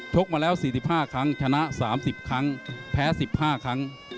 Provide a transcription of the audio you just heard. กมาแล้ว๔๕ครั้งชนะ๓๐ครั้งแพ้๑๕ครั้ง